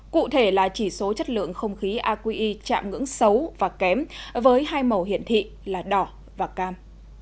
cụ thể là chỉ số chất lượng không khí aqi chạm ngưỡng xấu và kém với hai màu hiện thị là đỏ và cam